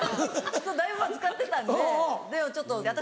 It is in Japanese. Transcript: だいぶ使ってたんでで私